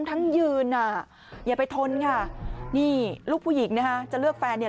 ทั้งยืนอ่ะอย่าไปทนค่ะนี่ลูกผู้หญิงนะคะจะเลือกแฟนเนี่ย